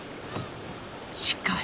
しかし。